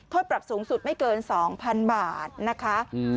ปรับสูงสุดไม่เกิน๒๐๐๐บาทนะคะ